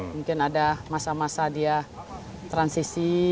mungkin ada masa masa dia transisi